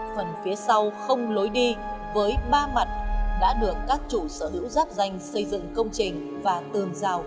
phần phía sau không lối đi với ba mặt đã được các chủ sở hữu giáp danh xây dựng công trình và tường rào